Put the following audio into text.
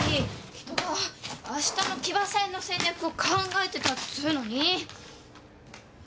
人があしたの騎馬戦の戦略を考えてたっつうのに。